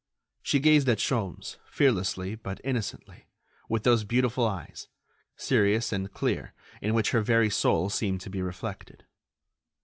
She gazed at Sholmes, fearlessly but innocently, with those beautiful eyes, serious and clear, in which her very soul seemed to be reflected.